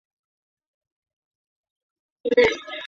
欧舒丹的根据地普罗旺斯即位于此地区内。